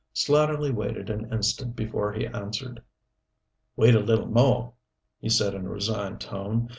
Slatterly waited an instant before he answered. "Wait a little more," he said in a resigned tone.